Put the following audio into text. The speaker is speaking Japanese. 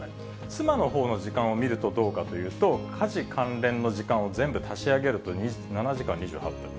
妻のほうの時間を見るとどうかというと、家事関連の時間を全部足し上げると、７時間２８分。